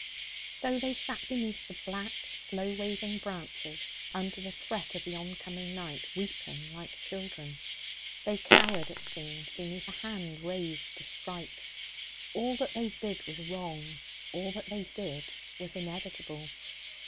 So they sat beneath the black, slow waving branches under the threat of the oncoming night, weeping like children. They cowered, it seemed, beneath a hand raised to strike. All that they did was wrong; all that they did was inevitable.